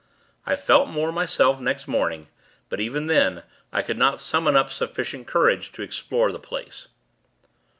I felt more myself next morning; but even then, I could not summon up sufficient courage to explore the place.